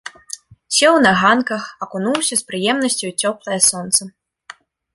Сеў на ганках, акунуўся з прыемнасцю ў цёплае сонца.